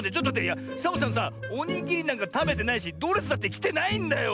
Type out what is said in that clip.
いやサボさんさおにぎりなんかたべてないしドレスだってきてないんだよ！